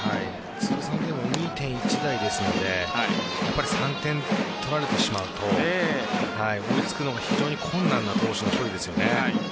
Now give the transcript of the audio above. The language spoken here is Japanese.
通算でも２．１台ですので３点取られてしまうと追いつくのが非常に困難な投手の１人ですよね。